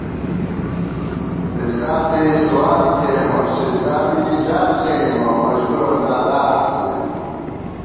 سِزدا پېئی سُوال کېئیمہ سِزدامی نِجات لېئیمہ مجُبُور اؤ نادار تھنَئیم